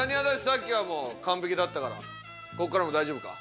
さっきはもう完璧だったからここからも大丈夫か？